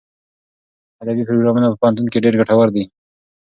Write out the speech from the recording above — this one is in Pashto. ادبي پروګرامونه په پوهنتونونو کې ډېر ګټور دي.